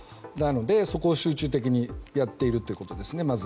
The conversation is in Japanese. なので、そこを集中的にまずやっているということです。